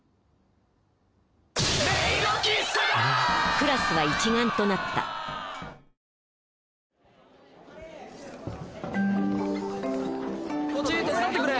クラスは一丸となったこっち手伝ってくれ。